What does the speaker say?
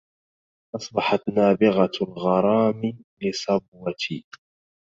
أصبحت نابغة الغرام لصبوتي